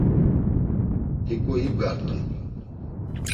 Hiǩu ibgart̆i.